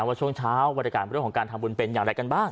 ว่าช่วงเช้าบรรยากาศเรื่องของการทำบุญเป็นอย่างไรกันบ้าง